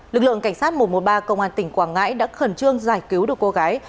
lực lượng cảnh sát một trăm một mươi ba công an tỉnh quảng ngãi đã khẩn trương giải cứu được cô gái